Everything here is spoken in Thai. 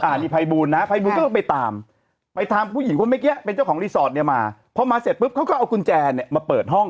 อันนี้ภัยบูลนะภัยบูลก็ต้องไปตามไปตามผู้หญิงคนเมื่อกี้เป็นเจ้าของรีสอร์ทเนี่ยมาพอมาเสร็จปุ๊บเขาก็เอากุญแจเนี่ยมาเปิดห้อง